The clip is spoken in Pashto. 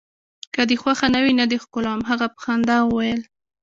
که دي خوښه نه وي، نه دي ښکلوم. هغه په خندا وویل.